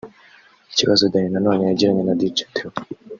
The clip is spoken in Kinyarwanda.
Ikibazo Danny Nanone yagiranye na Dj Theo